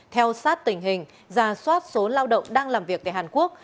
theo sát tình hình giả soát số lao động đang làm việc tại hàn quốc